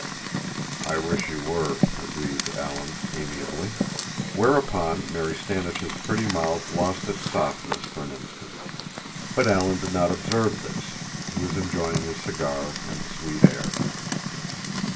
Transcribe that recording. "I wish you were," agreed Alan amiably. Whereupon Mary Standish's pretty mouth lost its softness for an instant. But Alan did not observe this. He was enjoying his cigar and the sweet air.